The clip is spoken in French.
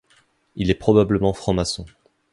Il est probablement Franc-maçon.